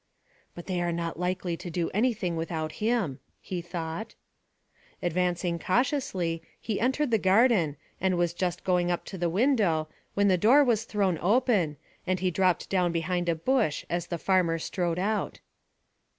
"But they are not likely to do anything without him," he thought. Advancing cautiously, he entered the garden, and was just going up to the window, when the door was thrown open, and he dropped down behind a bush as the farmer strode out.